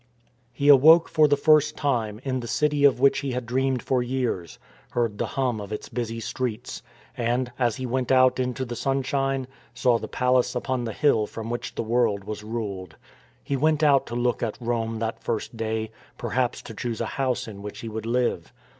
He awoke for the first time in the city of which he had dreamed for years, heard the hum of its busy streets, and, as he went out into the sunshine, saw the palace upon the hill from which the world was ruled. He went out to look at Rome that first day, perhaps to choose a house in which he would live.